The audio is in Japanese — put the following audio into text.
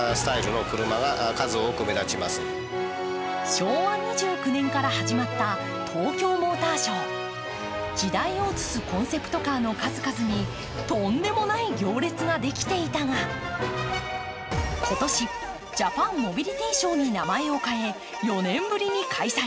昭和２９年から始まった東京モーターショー。時代を映すコンセプトカーの数々にとんでもない行列ができていたが今年、ジャパンモビリティショーに名前を変え、４年ぶりに開催。